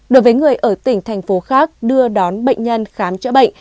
đối với người ở tỉnh thành phố khác đưa đón bệnh nhân khám chữa bệnh